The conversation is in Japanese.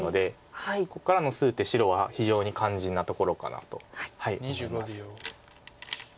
ここからの数手白は非常に肝心なところかなと思います。